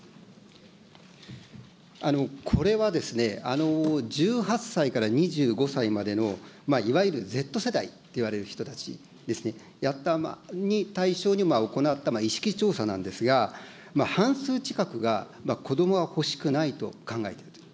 これはですね、１８歳から２５歳までのいわゆるＺ世代といわれる人たちですね、やった、対象に行った意識調査なんですが、半数近くがこどもは欲しくないと考えているという。